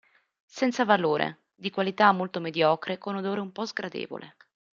Senza valore, di qualità molto mediocre con odore un po' sgradevole.